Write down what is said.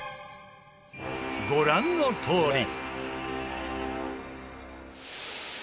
ご覧のとおり。